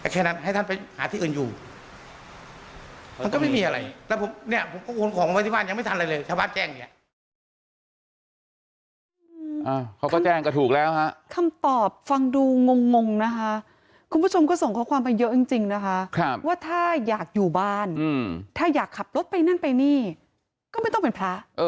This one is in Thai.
คุณผู้ชมก็ส่งค้าความไปเยอะจริงจริงนะคะว่าถ้าอยากอยู่บ้านแบบถ้าอยากขับรถไปนั่นไปนี่ก็ไม่ต้องเป็นพระ